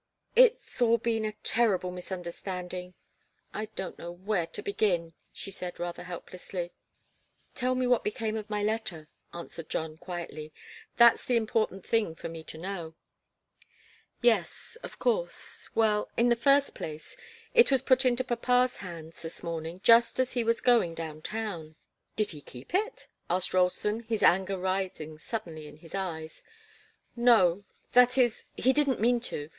"It's all been a terrible misunderstanding I don't know where to begin," she said, rather helplessly. "Tell me what became of my letter," answered John, quietly. "That's the important thing for me to know." "Yes of course well, in the first place, it was put into papa's hands this morning just as he was going down town." "Did he keep it?" asked Ralston, his anger rising suddenly in his eyes. "No that is he didn't mean to.